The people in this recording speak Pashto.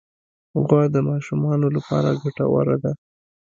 غوا د ماشومانو لپاره ګټوره ده.